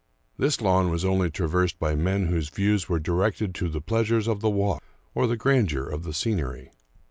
This lawn was only traversed by men whose views were directed to the pleasures of the walk or the grandeur of the scenery.